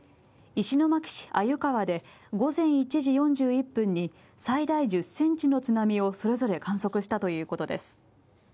石巻市鮎川で午前１時４０分に最大１０センチの津波をそれぞれ観測したということです。